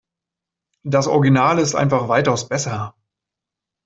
Das Original ist einfach weitaus besser.